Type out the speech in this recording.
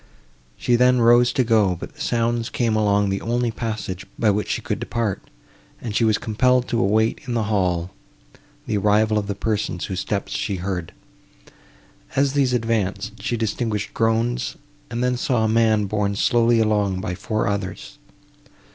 She then rose to go, but the sounds came along the only passage, by which she could depart, and she was compelled to await in the hall, the arrival of the persons, whose steps she heard. As these advanced, she distinguished groans, and then saw a man borne slowly along by four others.